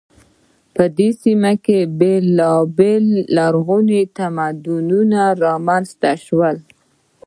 په دې سیمه کې بیلابیل لرغوني تمدنونه رامنځته شول.